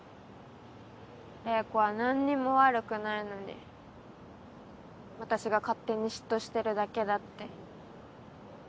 怜子はなんにも悪くないのに私が勝手に嫉妬してるだけだって。